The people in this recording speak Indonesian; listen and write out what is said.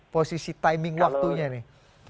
posisi timing waktunya nih